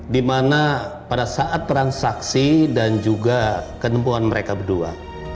dimana pada saat transaksi dan juga kemampuan mereka berdua